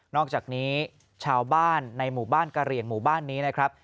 อกจากนี้ชาวบ้านในหมู่บ้านกะเหลี่ยงหมู่บ้านนี้นะครับ